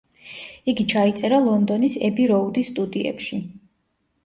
იგი ჩაიწერა ლონდონის ები-როუდის სტუდიებში.